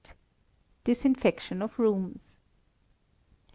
Disinfection of Rooms.